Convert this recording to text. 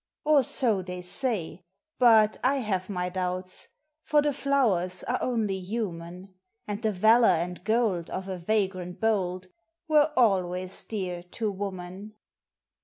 Or, so they say ! But I have my doubts ; For the flowers are only human, And the valor and gold of a vagrant bold W T ere always dear to woman.